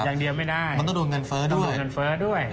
อย่างเดียวไม่ได้มันต้องโดนเงินเฟ้อด้วยเงินเฟ้อด้วย